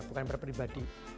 bukan per pribadi